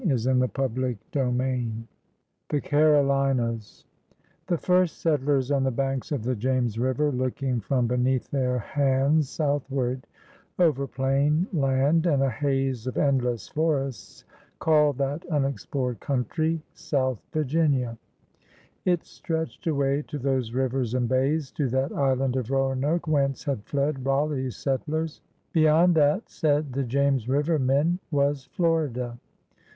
• J? m^ CHAPTER XIV THE CABOUNAS The first settlers on the banks of the James River, looking from beneath their hands south ward over plain land and a haze of endless forests, called that imexplored coimtry South Virginia. It stretched away to those rivers and bays, to that island of Roanoke, whence had fled Raleigh's settlers. Beyond that, said the James River men, was Florida.